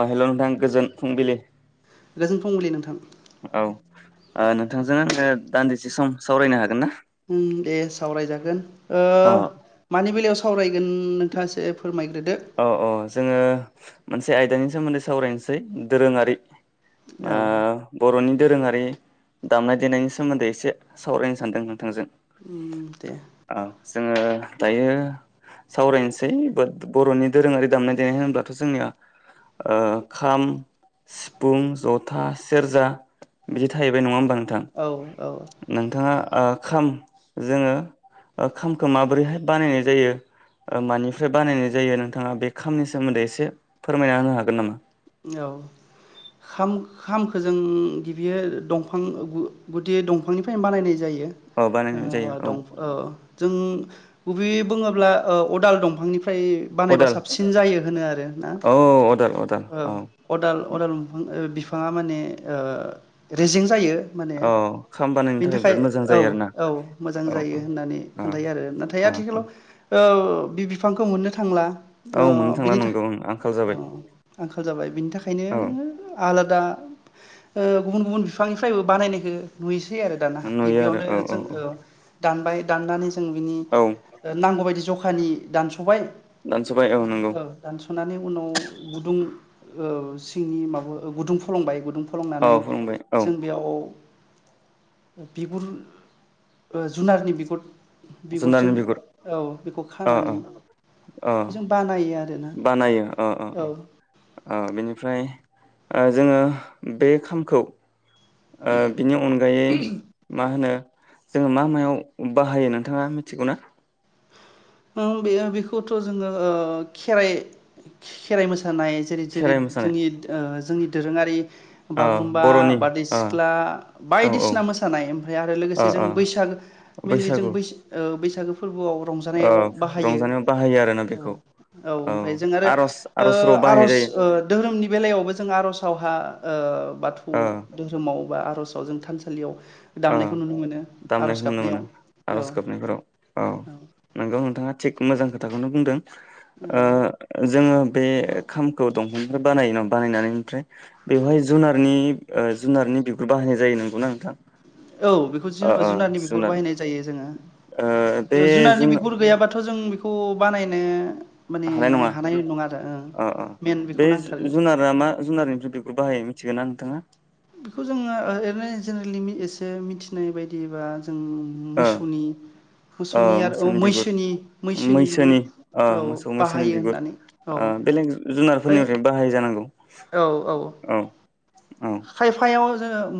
अ hello नोंथां गोजोन फुंबिलि। गोजोन फुंबिलि नोंथां। औ ओ नोंथांजों आङो दान्दिसे सम सावरायनो हागोन ना? उम दे सावरायजागोन ओ अ मानि बेलायाव साव सावरायगोन नोंथाङा एसे फोरमाय। औ औ जोङो मोनसे आयदानि सोमोन्दै सावरायनोसै दोरोङारि औ। ओ बर'नि दोरोङारि दामनाय देनायनि सोमोन्दै एसे सावरायनो सानदों नोंथांजों। दे। औ जोङो दायो सावरायनोसै बात बर'नि दोरोङारि दामनाय देनाय होनोब्लाथ' जोंनिया ओ खाम सिफुं जथा सेरजा बिदि थाहैबाय नङा होमबा नोंथां। औ औ नोंथाङा ओ खाम जोङो ओ खामखो माबोरैहाय बानायनाय जायो ओ मानिफ्राय बानायनाय जायो नोंथाङा बे खामनि सोमोन्दै एसे फोरमायना होनो हागोन नामा? औ खाम खामखो जों गिबियो दंफां गु गुदि दंफांनिफ्रायनो बानायनाय जायो। औ यो बानायनाय जायो ओ औ दं ओ जों बै बुङोब्ला ओ अदाल दंफांनिफ फ्राय बानायबा अदाल साबसिन जायो होनो आरो ना। औ अदाल अदाल औ अदाल अदाल दंफां। ओ बिफाङा माने ओ रेजें जायो। माने औ खाम बानायनो बेनि थाखाय बिराद मोजां औ जायो आरोना औ मोजां औ जायो होननानै औ खोन्थायो आरो नाथाय औ आथिखालाव औ बि बिफांखौ मोननो थांला औ औ मोननो ओ थांला बिनि नंगौ ओं आंखाल जाबाय थाखाय आंखाल जाबाय। बिनि थाखायनो औ नोङो आलाद दा ओ गुबुन गुबुन बिफांनिफ्रायबो बानायनायखो नुयोस सै आरो दाना नुयो आरो गिबियावनो औ औ औ जोङो दानबाय दाननानै जो जों बिनि औ ओ नांगौ बायदि स जखानि दानस'बाय। दानस'बाय नंगौ औ दानस'नानै उनाव गुदुं औ सिंनि माबो ओ गुदुं फलंबाय गुदुं। औ फलंनानै फोरोंबाय औ जों बेयाव बिगुर ओ जुनारनि बिगुर। बिगुरजों जुनारनि बिगुर औ बेखौ अ अ खानानै अ बेजों बानायो आ बानायो ओ ओ ओ। ओ बेनिफ्राय ओ जोङो बे खामखौ ओ बिनि अनगायै मा होनो? जोङो मा मायाव बाहायो नोंथाङा मिथिगौ ना? ओं बेयो बेखौथ' जोङो ओ खेराइ खेराइ मोसा सानाय जेरै जेरै खेराइ मोसानाय जोंनि ओ जोंनि दोरोङारि ओ बागुरुम्बा बर'नि बारदै ओ सिख्ला औ औ बायदिसिना मोसानाय ओमफ्राय आरो ओ लोगोसे जों ओ बैसागो मेनलि जों बैसागु बैस बैसा बैसागो फोरबोआव ओ रंजानायाव बाहायो रंजानायाव बाहायो आरोना बेखौ औ औ ओमफ्राय जों आरो आर'ज आर'जफोराव ओ बाहायनाय आर'ज जायो ओ दोहोरोमनि बेलायावबो जों आर'जावहा ओ बाथौ ओ धोहोरोमाव बा आर'जाव जों थानसालियाव ओ दामनायखौ नुनो मोनो आर'ज दामनायखौ नुनो मोनो गाबनायाव औ आर'ज गाबनायफोराव औ नोंगौ नोंथाङा थिग मोजां खोथाखौनो बुंदों औ ओ जोङो बे खामखौ दंफांनिफ्राय बानायो न बानायनानै ओमफ्राय बेवहाय जुनारनि ओ जुनारनि बिगुर बाहायनाय जायो नंगौना नोंथां औ बेखौ ओ जु ओ जुनारनि बिगुर जुनार बाहायनाय जायो जोङो ओ बे बेयाव जुनारनि जुन बिगुर गैयाबाथ' जों बे खौ बानायनो माने हानाय नङा नङा आरो ओं औ अ मेन बेखौ बे नांथारगोन जुनारा मा जुनारनिफ्राय बेखौ बाहाय मिथिगोन ना नोंथाङा बेखौ जोङो ओरैनो जेनेरेलि एसे मिथिनाय बायदिबा जों ओ मोसौनि अ आरो औ मोसौनि बिगुर मैसोनि बिगुर मैसोनि ओ औ मोसौ मैसोनि बाहायो बिगुर होननानै औ ओ बेलेग ओमफ्राय जुनारफोरनिफ्रायबो बाहायो जानांगौ औ औ औ खायफायाव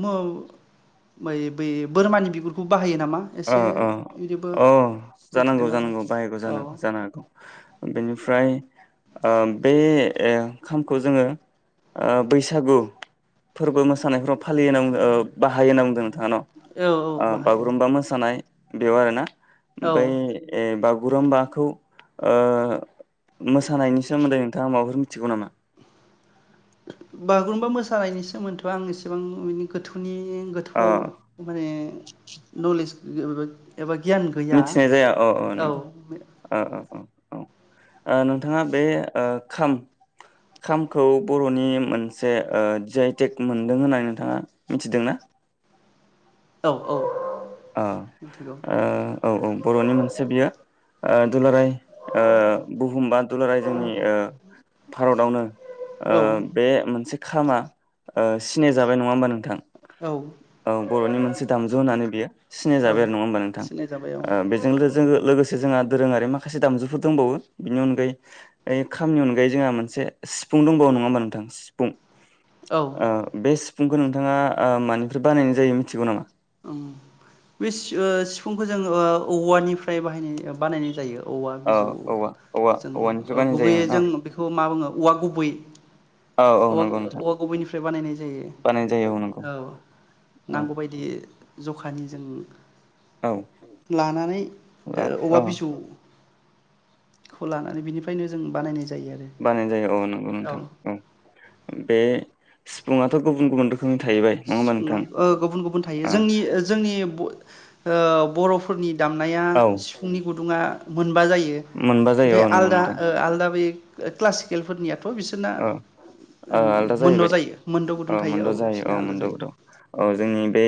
म बै बोरमानि बिगुरखौ बाहायो नामा अ एसे अ बिदिबो अ जानांगौ मिथिदों आरो जानांगौ बाहायग जा औ जानो हागौ बेनिफ्राय ओ बे ए खामखौ जोङो ओ बैसागु फोरबो मोसानायफोराव फालियोहोनना बुंदों ओ बाहायो होनना बुंदों नो थाङान' औ औ ओ बाहायो बागुरुम्बा मोस ओ बेयाव आरोना औ बैय बा बागुरुम्बाखौ ओ मोसानायनि सोमोन्दै नोंथाङा माबाफोर थिगौ नामा बागुरुम्बा मोसानायनि सोमोन्दै आं एसेबां मेनि गोथौनि बे अ गोथौआव माने न'लेस एबा गि मिथिनाय जाया औ औ नंगौ औ औ ओ नोंथाङा बे ओ खाम खामखौ बर'नि मोनसे ओ जि आइ टेक मोनदों होननानै नोंथाङा मिथिदों ना? औ-औ ओ ओ औ-औ बर'नि मोन से बियो ओ दुलाराय ओ बुहुम बा दुलाराय जोंनि ओ भारतावनो। ओ औ बे मोनसे खामा ओ सिनाय जाबाय नङा होमबा नोंथां। औ औ बर'नि मोनसे दामजु होननानै बियो। सिननाय औ जाबाय आरो नङा होमबा नोंथां सिनाय जाबाय औ ओ बेजों जोङो लोगोसे जोंहा दोरोङारि माखासे दामजुफोर दंबावो बिनि अनगायै यै खामनि अनगायै जोंहा मोनसे सिफुं दंबावो नङा होनबा नोंथां सिफुं। औ ओ बे सि फुंखौ नोंथाङा ओ मानिफ्राय बानायनाय जायो मिथिगौ नामा? ओं बे ओ सि-सिफुंखौ जों ओ औवानिफ्राय बाहायनाय बानायनाय जायो। औवा औ बिजौ औवा औवा जों औवानिफ्राय ओ बानायनाय गुबैयै जों जायोमोन बेखौ मा बुङो? औवा गुबै। औ औवा गुबैनिफ्राय बानायनाय जायो बानायनाय जायो नंगौ औ औ नांगौबायायदि। जखानि जों। औ लानानै ओ औवा औ बिजौ। खौ लानानै बिनिफ्रायनो जों बानायनाय जा बानायनाय जायो औ नंगौ नोंथां औ बे। सिफुंआथ' गुबुन गुबुन रोखो सिफुंङा ओ गुबुन गुबुन थायो जोंनि जोंनि बय ओ बर'फोरनि। दामनाया औ सिफुंनि गुदुं गुदुंआ मोन बा जायो मोनबा जायो ओमफ्राय औ नंगौ आलादा नोंथां ओ आलदा बै। ओ क्लासिकेलफोरनिया। थ' बिसोरना औ आलदा मोनद' जाहैबाय जायो मोनद' गुदुं थायो मोनद' जायो औ। औ आलादा मोनद' गुदुं जायो औ जोंनि बे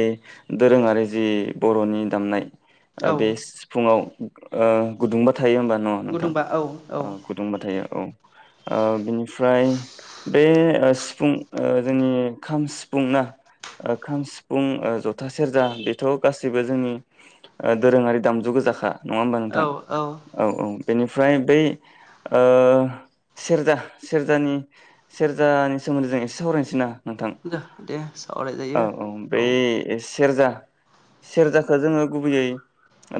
दोरोङारि जि बर'नि दामनाय। ओ औ बे सिफुंङाव ओ गुदुंबा। थायो होमबा नङा नोंथां गुदुंबा औ औ अ गुदुंबा थायो औ। ओ बिनि ओमफ्राय बे ओ सिफुं ओ जोंनि खाम, सिफुं ना खाम सिफुं ओ जथा सेरजा बेथ' गासैबो जोंनि ओ दोरोङारि दामजु गोजाखा। नङा होमबा नोंथां औ औ। बेनिफ्राय बे ओ सेरजा सेरजानि सेरजानि सोमोन्दै जों एसे सावरायनोसै ना नोंथां दे औ सावरायजायो औ बै सेरजा सेरजाखो जोङो गुबैयै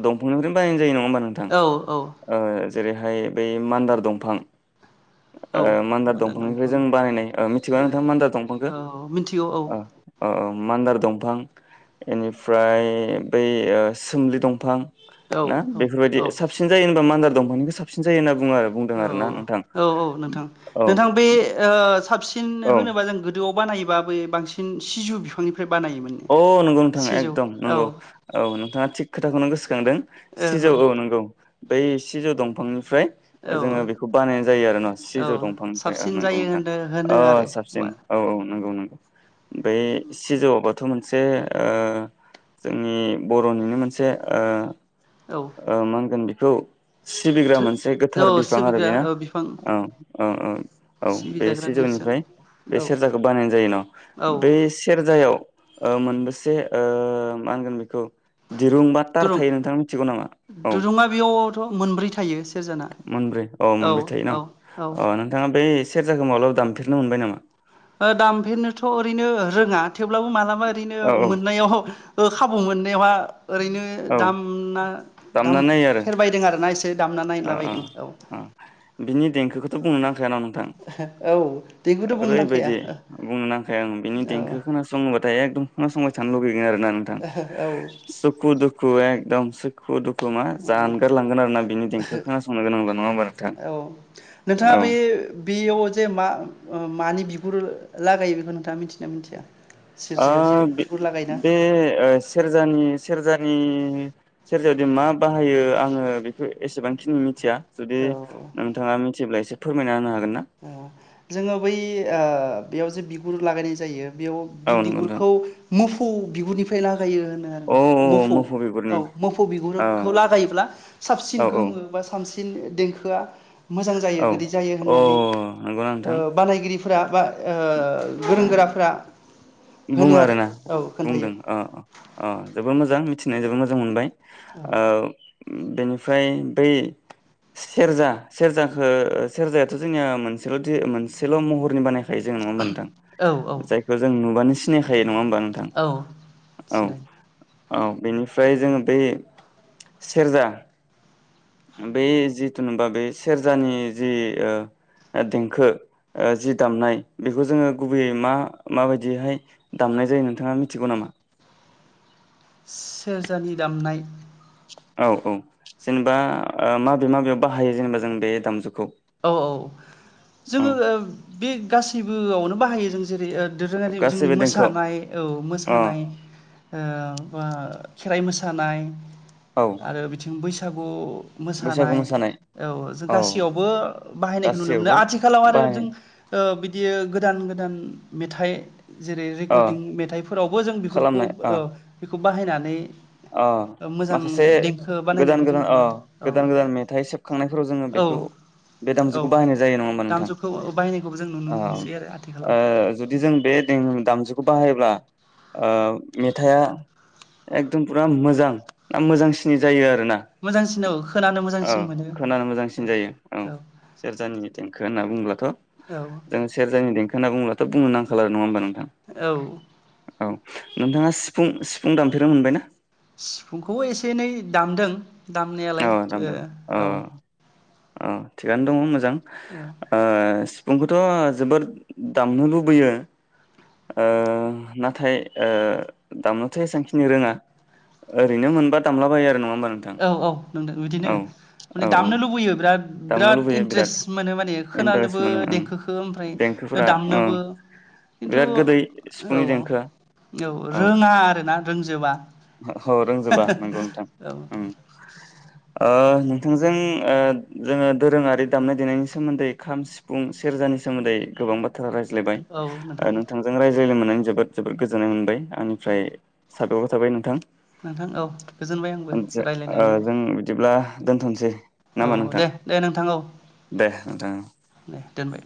दंफांनिफ्रायनो बायनाय जायो न नङा होमबा नोंथां औ औ ओ जेरैहाय बै मान्दार दंफां औ ओ मान्दार मोना दंफांनिफ्राय दंफां जों बानायनाय ओ मिथिगौ ना नोंथां मान्दार दंफांखो? औ मिथिगौ औ ओ औ औ। मान्दार दंफां इनिफ्राय बै ओ सोमलि दंफां औ ना औ बेफोरबायदि औ साबसिन जायो होमबा मान्दा दंफांनिखौ साबसिन जायो होनना बु बुङो आरो बुंदों आरोना औ नोंथां। औ नोंथां, औ नोंथां बे ओ साबसि सिन औ होनोबा जों गो जौ आव बानायोबा बै बांसिन सिजौ बिफांनि अ' नोंगौ नोंथां एकदम नोंगौ औ नोंथाङा थिक खोथाखौनो गोसो खांदों सिजौ औ नोंगौ। बै सिजौ दंफांनि फ्राय जोङो औ बेखौ बानायनाय जायो आरो ना सिजौ औ दंफांनिफ्राय ओ साबसिन नोंगौ जायो नोंथां होनो होनो ओ आरो बा साबसिन औ औ नोंगौ नोंगौ। बे सिजौआवबो थ' मोनसे ओ जोंनि बर'निनो मोनसे ओ औ ओ मा होनगोन बि खौ सिबिग्रा थो मोनसे गोथार औ बिफां आरो सिबिग्रा बेना ओ बिफां औ, औ औ, औ बे सिबिजाग्रा नेरसोन सिजौनिफ्राय बे औ सेरजाखौ बानायनाय जायो औ न' बे सेरजायाव ओ मोनबेसे ओ मा होनगोन बेखौ दिरुं बा थार दुरुं थायो नोंथां मिन्थिगौ नामा औ दुरुङा बेयावथ' मोनब्रै थायो सेरजाना मोनब्रै औ मोनब्रै थायो न' औ औ ओ नोंथाङा बे सेरजाखौ माब्लाबा दामफेरनो मोनबाय नामा? ओ दामफेरनोथ' ओरैनो रोङा थेवब्लाबो माला बा ओरैनो औ औ मोननायाव ओ खा औ मोननायावहा ओरैनो औ दामना दाम दामनानै नायो आरो फेरबायदों आरोना एसे से दामना ओ नायलाबायदों औ। बुङोना जोंहानाव ना नोंथां औ देंखौथ' बुंनो नांखाया ओरैबायदि बुंनो नांखाया आं बिनि औ देंखो खोनासङोबाथाय एकदम खोनासंबाय थानो लुबैयो आरो ना नोंथां औ सुखु दुखु एकदम सुखु दुखु मा जानगारलांगोन आरो ना बिनि देंखो खोनासंनो गोनांब्ला नङा होमबा नोंथां औ नोंथाङा औ बे बेयाव जे मा ओ मानि बिगुर लागायो बेखौ नोंथाङा मिथियोना मिथिया ओ सेरजायाव जे बिगुर लागायोना बे सेरजानि सेरजा नि सेरजायावदि मा बाहायो आङो बेखौ एसेबांखिनि मिथिया। जुदि औ औ नोंथाङा मिथिब्ला एसे फोरमायना होनो हागोन ना ओ जोङो बै बेयाव जे बिगुर लागायनाय जायो बेयाव औ बि नंगौ नोंथां बिगुरखौ मुफु बिगुरनिफ्राय ला यो होनो आरो औ ना ओ औ मोफौ औ बिगुरनि मोफौ मोफौ औ बिगुरखौ लागायोब्ला साबसिन औ औ गोमो बा साबसिन सिन देंखोआ मोजां जायो औ गोदै जायो अ होननानै नंगौना ओ नोंथां बानायगिरिफोरा माबा ओ गोरों गोराफोरा होनो बुङो आरो आरोना औ खोन्थायो बुंदों अ अ औ जोबोद मोजां मोजां मिथिना जोबोद मोजां मोनबाय औ ओ बेनिफ्राय बै सेरजा, सेरजाखौ सेरजायाथ' जोंनिया मोनसेल' मोनसेल' महरनि बानायखायो जों नुनो मोनदों औ औ जायखौ जों नुबानो सिनायखायो नङा होमबा नोंथां औ औ सिनायो औ बेनिफ्राय जोङो बै सेरजा बै जिथुुनबा बे सेरजानि जि देंखो जि दामनाय बेखौ जोङो गुबैयै मा माबायदिहाय दामनाय जायो नोंथाङा मिथिगौ नामा? सेरजानि दामनाय औ औ जेनेबा माबे माबेयाव बाहायो जेनेबा जों बे दामजुखौ? औ औ औ जोङो ओ बे गासैबो बोआवनो बाहायो जों जेरै दोरोङारि जोंनि गासैबो देंखोआव मोसानाय औ अ मोसानाय ओ बा खेराइ मोसानाय औ आरो बिथिं बैसाग सागु मोसानाय औ जों औ गासैयावबो बाहायनायखौ नुनो मोनो गासैयावबो आथिखालाव आरो बाहायनाय जों ओ बि बियो गोदान गोदान मेथाइ जेरै अ रेकर्डिं मेथाइफोरावबो जों बेफोरखौ खालामनाय अ ओ बेखौ बाहायनानै अ मोजां माखासे देंखो गोदान बानायनायखौ जों गोदान अ नुनो औ गोदान गोदान मेथाइ सेबखांनायफोराव जोङो औ बेखौ बे औ दामजुखौ बाहायनाय जायो नङा होमबा नोंथां दामजुखौ बाहायनायखौबो जों नुनो ओ मोनसै आरो आथिखालाव ओ जुदि जों बे दामु बिखौ बाहायोब्ला ओ मेथाया फुंरा मोजां मोजांसिनै जायो आ रोना मोजांसिन औ खोनानो औ मोजांसिन मोनो खोनानो मोजांसिन जायो औ सेरजानि देंखो होनना बुङोब्लाथ औ जों सेरजानि देंखो होनना बुंंब्ला दा बुंनो नांखाला नङा ओमबा नों औ नोंथाङा सिफुं सिफुं दामफेरनो मोनबाय ना सिफुंखौ एसे एनै दामदों औ दामनायालाय ओ औ अ थिगानो दङ मोज जां औ ओ सिफुंखौथ जोबोद दामनो लुबैयो ओ नाथाय ओ दामनोथ एसेबांखिनि रोङा ओरैनो मोनबा दामला बायो आरो नङा होमबा नोंथां औ औ नंदों बिदिनो औ औ माने औ दामनो लुबैयो बिराद दामनो बिराद लुबैयो बिराद इन्टारेस्ट मोनो माने इन्टारेस्ट खोनानोबो मोनो ओं देंखोखो ओमफ्राय देंखोफोरा ओं दामनोबो खिथु बिराद गोदै औ सिफुंनि देंखोआ औ रोङा आरोना रोंजोबा औ रोंजोबा नंगौ नोंथां औ ओं ओ नोंथांजों जोङो दोरोङारि दामनाय देनायनि सोमोन्दै खाम सिफुं सेरजानि सोमोन्दै गोबां बा थ्रा रायज्लायबाय औ नोंथां नोंथांजों रायज्लाय मोननानै जोबोद जोबोद गोजोननाय मोनबाय आंनिफ्राय थाथबाय थाबाय नोंथां नोंथां औ गोजोनबाय आंबो जो ओ रायलायनायनि जों बिदिब्ला दोनथनोसै। औ नामा नोंथां दे दे नोंथां औ दे नोंथां दे। दोनबाय।